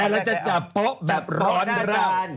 แต่ก็จะอาจจะจ้าปโป้แบบร้อนรัม